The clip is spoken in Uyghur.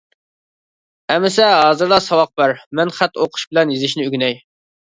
- ئەمىسە، ھازىرلا ساۋاق بەر، مەن خەت ئوقۇش بىلەن يېزىشنى ئۆگىنەي!